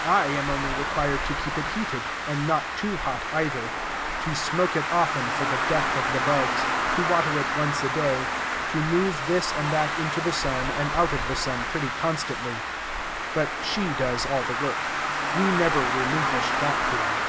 I am only required to keep it heated, and not too hot either; to smoke it often for the death of the bugs; to water it once a day; to move this and that into the sun and out of the sun pretty constantly: but she does all the work. We never relinquish that theory.